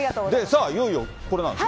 さあ、いよいよこれなんですね。